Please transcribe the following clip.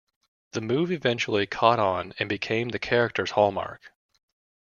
The move eventually caught on and became the character's hallmark.